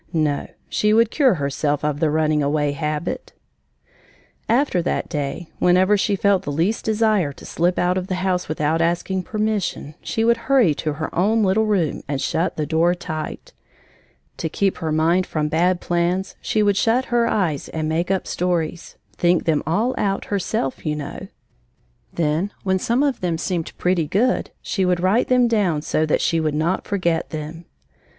No she would cure herself of the running away habit! After that day, whenever she felt the least desire to slip out of the house without asking permission, she would hurry to her own little room and shut the door tight. To keep her mind from bad plans she would shut her eyes and make up stories think them all out, herself, you know. Then, when some of them seemed pretty good, she would write them down so that she would not forget them.